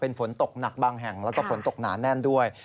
ฝนตกหนักบางแห่งแล้วก็ฝนตกหนาแน่นด้วย